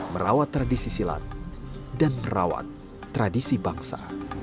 merawat tradisi silat dan merawat tradisi bangsa